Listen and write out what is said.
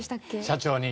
社長に。